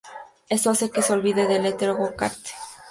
Esto hace que se olvide del alter-ego de Kate y pierda sus poderes.